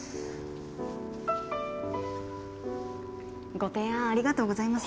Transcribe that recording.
ご提案ありがとうございます。